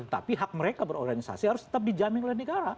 tapi hak mereka berorganisasi harus tetap dijamin oleh negara